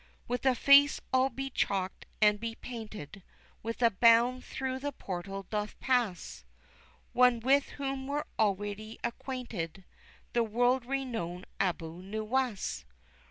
With a face all be chalked and be painted, with a bound through the portal doth pass One with whom we're already acquainted, the world renowned Abu Nuwas!